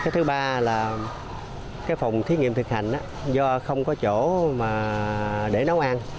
thứ ba là phòng thí nghiệm thực hành do không có chỗ để nấu ăn